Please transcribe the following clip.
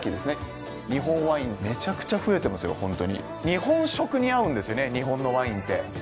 日本食に合うんですよね日本のワインって。